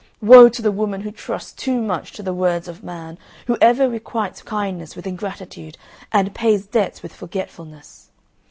Woe to the woman who trusts too much to the words of man, who ever requites kindness with ingratitude, and pays debts with forgetfulness.